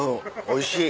おいしい。